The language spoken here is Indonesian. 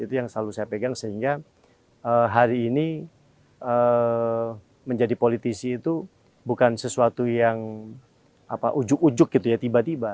itu yang selalu saya pegang sehingga hari ini menjadi politisi itu bukan sesuatu yang ujuk ujuk gitu ya tiba tiba